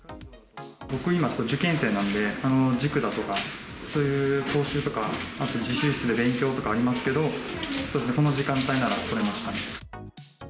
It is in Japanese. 僕、今、受験生なんで、塾だとか、そういう講習とか、あと自習室で勉強とかありますけど、この時間帯なら来れました。